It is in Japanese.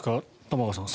玉川さん